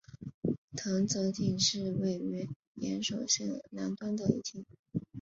藤泽町是位于岩手县南端的一町。